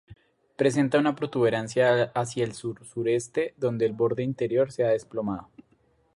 Presenta una protuberancia hacia el sur-sureste, donde el borde interior se ha desplomado.